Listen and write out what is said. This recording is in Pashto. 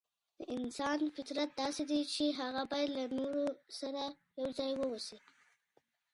د انسان فطرت داسې دی چي هغه بايد له نورو سره يو ځای واوسي.